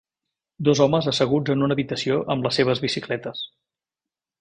Dos homes asseguts en una habitació amb les seves bicicletes.